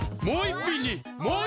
もう１品に！